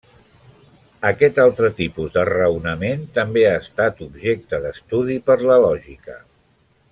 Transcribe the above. Aquest altre tipus de raonament també ha estat objecte d'estudi per la lògica.